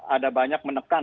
ada banyak menekan